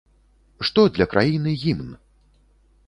Што для краіны гімн?